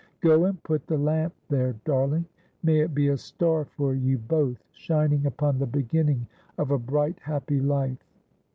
' Go and put the lamp there, darling. May it be a star for you both, shining upon the beginning of a bright happy life